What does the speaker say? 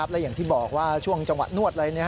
และอย่างที่บอกว่าช่วงจังหวะนวดอะไร